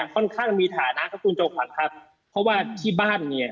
ค่อนข้างมีฐานะครับคุณจอมขวัญครับเพราะว่าที่บ้านเนี่ย